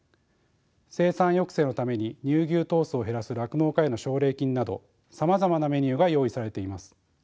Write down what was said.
生産抑制のために乳牛頭数を減らす酪農家への奨励金などさまざまなメニューが用意されています。